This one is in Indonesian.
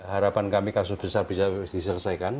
harapan kami kasus besar bisa diselesaikan